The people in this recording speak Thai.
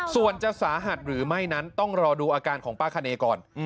ส่วนจะสาหัสหรือไม่นั้นต้องรอดูอาการของป้าคเนก่อน